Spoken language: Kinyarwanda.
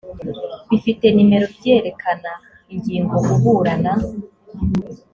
bifite nimero byerekana ingingo uburana